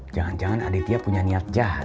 jangan jangan aditya punya niat jahat